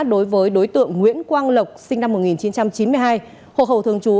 đối với đối tượng nguyễn quang lộc sinh năm một nghìn chín trăm chín mươi hai hộ khẩu thường trú